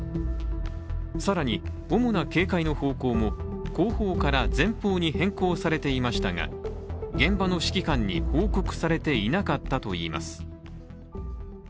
更に、主な警戒の方向も後方から前方に変更されていましたが現場の指揮官に報告されていなかったといいます。